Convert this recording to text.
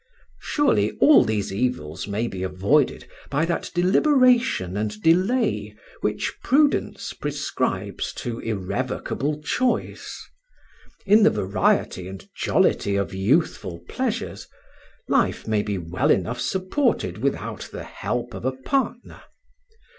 "Surely all these evils may be avoided by that deliberation and delay which prudence prescribes to irrevocable choice. In the variety and jollity of youthful pleasures, life may be well enough supported without the help of a partner.